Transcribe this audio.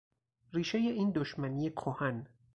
ریشهی این دشمنی کهن